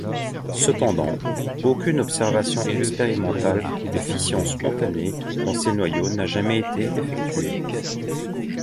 Cependant, aucune observation expérimentale de fission spontanée dans ces noyaux n'a jamais été effectuée.